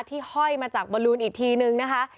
ที่ห้อยมาจากบรูลอีกทีหนึ่งนะคะ